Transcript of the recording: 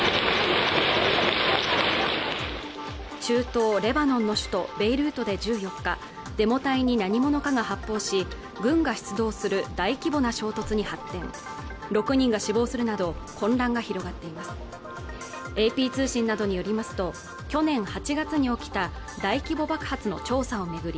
中東レバノンの首都ベイルートで１４日デモ隊に何者かが発砲し軍が出動する大規模な衝突に発展６人が死亡するなど混乱が広がっていますＡＰ通信などによりますと去年８月に起きた大規模爆発の調査を巡り